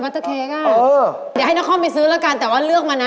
บัตเตอร์เค้กน่ะอย่าให้น้องครอมไปซื้อละกันแต่ว่าเลือกมานะ